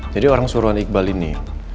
jadi orang suruhan iqbal ini